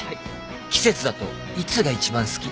季節だといつが一番好き？